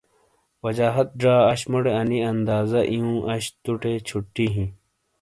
وجاہت زا اش موٹے انی اندازہ ایوں اش توٹے چھٹی ہِیں۔